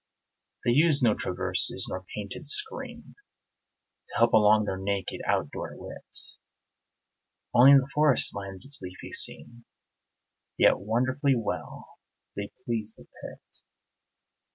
They use no traverses nor painted screen To help along their naked, out door wit: (Only the forest lends its leafy scene) Yet wonderfully well they please the pit.